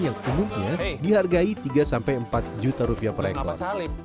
yang umumnya dihargai tiga sampai empat juta rupiah per ekor